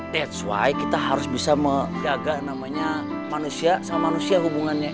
that's why kita harus bisa menjaga namanya manusia sama manusia hubungannya